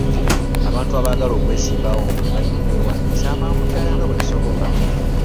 Abantu abaagala okwesimbawo balina okwewandiisa amangu ddala nga bwe kisoboka..